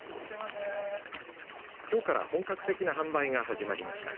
きょうから本格的な販売が始まりました。